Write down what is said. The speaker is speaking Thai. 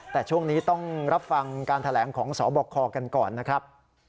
แต่ช่วงนี้ต้องรับฟังการแถลงของสบคกันก่อนนะครับ